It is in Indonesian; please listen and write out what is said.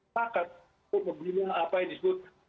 takat untuk memilih apa yang disebut